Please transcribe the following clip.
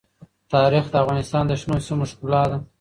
تاریخ د افغانستان د شنو سیمو ښکلا ده.